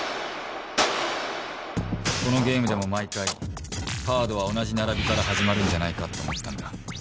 このゲームでも毎回カードは同じ並びから始まるんじゃないかって思ったんだ。